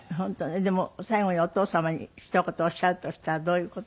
でも最後にお父様にひと言おっしゃるとしたらどういう事。